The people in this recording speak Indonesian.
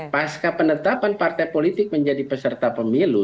pas kepenetapan partai politik menjadi peserta pemilu